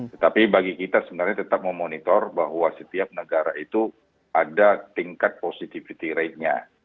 tetapi bagi kita sebenarnya tetap memonitor bahwa setiap negara itu ada tingkat positivity ratenya